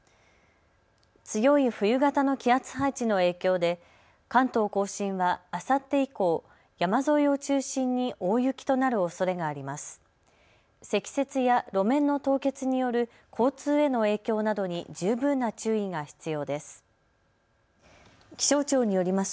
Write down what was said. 強い冬型の気圧配置の影響で関東甲信はあさって以降、山沿いを中心に大雪となるおそれがあります。